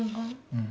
うん。